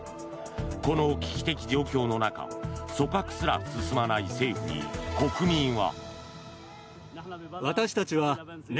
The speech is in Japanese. この危機的状況の中組閣すら進まない政府に国民は。